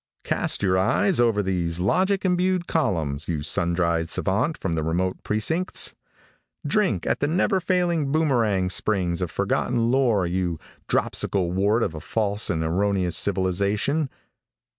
Cast your eye over these logic imbued columns, you sun dried savant from the remote precincts. Drink at the never failing Boomerang springs of forgotten lore, you dropsical wart of a false and erroneous civilization.